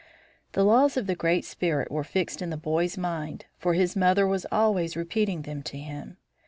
The laws of the Great Spirit were fixed in the boy's mind, for his mother was always repeating them to him.